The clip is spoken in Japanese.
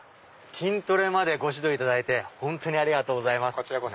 筋トレまでご指導いただいて本当にありがとうございます。